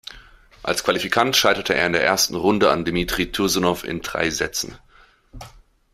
Als Qualifikant scheiterte er in der ersten Runde an Dmitri Tursunow in drei Sätzen.